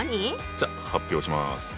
じゃあ発表します。